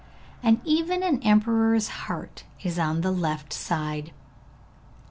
And even an emperor's heart is on the left side.